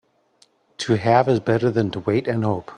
To have is better than to wait and hope.